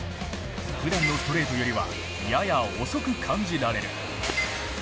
ふだんのストレートよりはやや遅く感じられる。